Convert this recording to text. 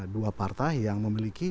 dua partai yang memiliki